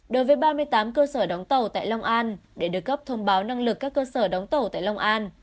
đối với ba mươi tám cơ sở đóng tàu tại long an để được cấp thông báo năng lực các cơ sở đóng tàu tại long an